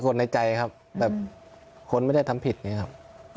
คนในใจครับแบบคนไม่ได้ทำผิดอย่างนี้ครับ